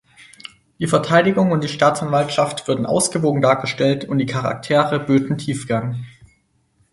Die Verteidigung und die Staatsanwaltschaft würden ausgewogen dargestellt und die Charaktere böten Tiefgang.